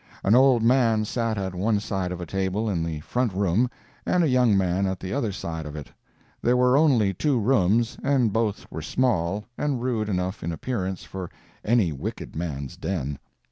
An old man sat at one side of a table in the front room, and a young man at the other side of it. There were only two rooms, and both were small, and rude enough in appearance for any wicked man's den.